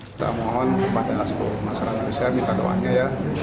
kita mohon kepada seluruh masyarakat indonesia minta doanya ya